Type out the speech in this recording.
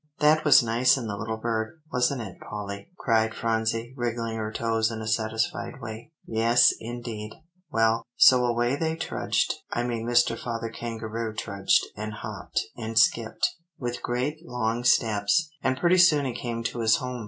'" "That was nice in the little bird, wasn't it, Polly?" cried Phronsie, wiggling her toes in a satisfied way. "Yes, indeed. Well, so away they trudged I mean Mr. Father Kangaroo trudged, and hopped, and skipped, with great long steps, and pretty soon he came to his home.